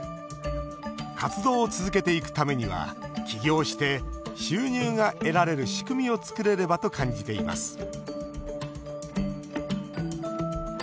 活動を続けていくためには起業して収入が得られる仕組みを作れればと感じています